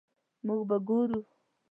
مونږ به ګورو